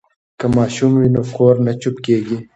که ماشوم وي نو کور نه چوپ کیږي.